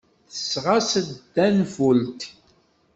Tesɣa-as-d tanfult.